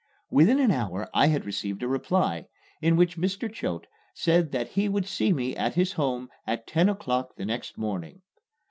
Within an hour I had received a reply, in which Mr. Choate said that he would see me at his home at ten o'clock the next morning.